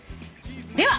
では